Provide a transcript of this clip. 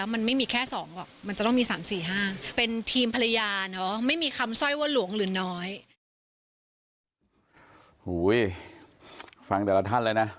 ฟังแต่ละท่านเลยนะ